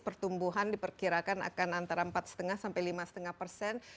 pertumbuhan diperkirakan akan antara empat lima sampai lima lima persen